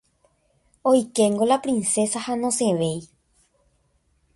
Oikéngo la princesa ha nosẽvéi.